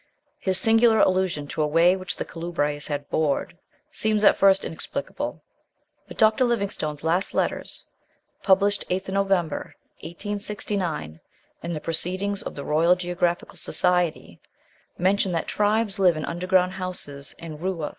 His singular allusion to "a way which the Culebres had bored" seems at first inexplicable; but Dr. Livingstone's last letters, published 8th November, 1869, in the "Proceedings of the Royal Geographical Society," mention that "tribes live in underground houses in Rua.